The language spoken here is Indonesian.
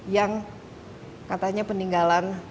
yang katanya peninggalan zaman lalu